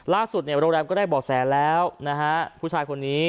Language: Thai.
เนี่ยโรงแรมก็ได้บอกแสแล้วนะฮะผู้ชายคนนี้